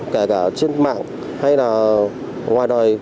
kể cả trên mạng hay là ngoài đời